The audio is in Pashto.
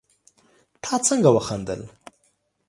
تا څنګه وخندل